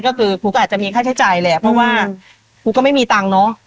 ก็คือกูก็อาจจะมีค่าใช้จ่ายแหละเพราะว่ากูก็ไม่มีตังค์เนอะ